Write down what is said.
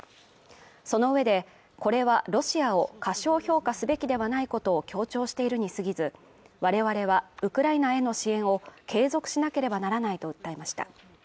その上でこれはロシアを過小評価すべきではないことを強調しているにすぎず、我々はウクライナへの支援を継続しなければならないと訴えました。